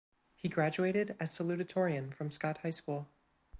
He graduated as salutatorian from Scott High School.